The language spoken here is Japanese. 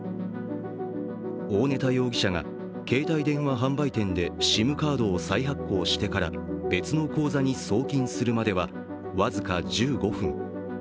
大根田容疑者が携帯電話販売店でＳＩＭカードを再発行してから別の口座に送金するまでは僅か１５分。